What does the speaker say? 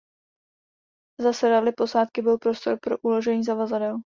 Za sedadly posádky byl prostor pro uložení zavazadel.